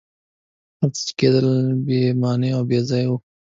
هر څه چي کېدل بي معنی او بېځایه وه.